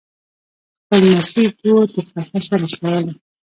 خپل نصیب وو تر قفسه رسولی